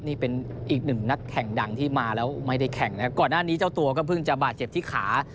นี่เป็นอีกหนึ่งนักแข่งดังที่มาแล้วไม่ได้แข่งนะครับก่อนหน้านี้เจ้าตัวก็เพิ่งจะบาดเจ็บที่ขา